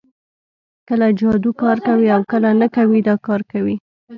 کله جادو کار کوي او کله نه کوي دا کار کوي